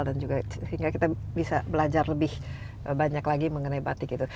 dan juga sehingga kita bisa belajar lebih banyak lagi mengenai batik itu